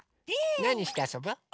なにしてあそぶ？